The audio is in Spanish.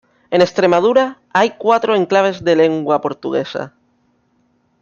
En Extremadura hay cuatro enclaves de lengua portuguesa.